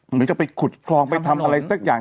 เหมือนกับไปขุดคลองไปทำอะไรสักอย่าง